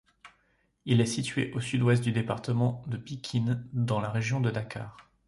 Il est situé au sud-ouest du département de Pikine, dans la région de Dakar.